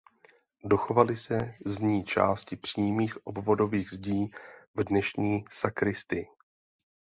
Dochovaly se z ní části přímých obvodových zdí v dnešní sakristii.